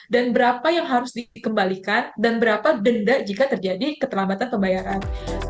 dan berapa yang harus dikembalikan dan berapa denda jika terjadi keterlambatan pembayaran